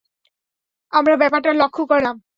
আমরা ব্যাপারটা লক্ষ্য করলাম।